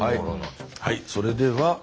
はいそれでは。